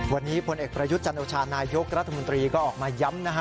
วันนี้พลเอกประยุทธ์จันโอชานายกรัฐมนตรีก็ออกมาย้ำนะฮะ